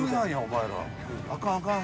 「あかんあかん」。